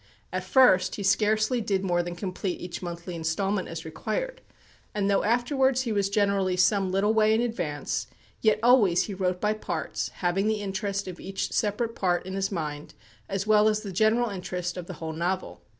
At first he scarcely did more than complete each monthly instalment as required; and though afterwards he was generally some little way in advance, yet always he wrote by parts, having the interest of each separate part in his mind, as well as the general interest of the whole novel.